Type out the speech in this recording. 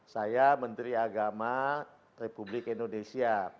saya menteri agama republik indonesia